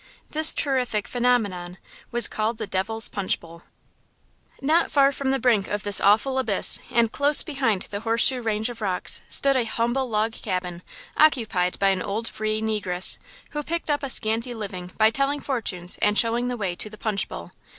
This terrific phenomenon was called the Devil's Punch Bowl. Not far from the brink of this awful abyss, and close behind the horseshoe range of rocks, stood a humble log cabin, occupied by an old free negress, who picked up a scanty living by telling fortunes and showing the way to the Punch Bowl.